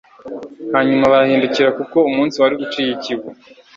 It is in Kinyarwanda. hanyuma barahindukira kuko umunsi wari uciye ikibu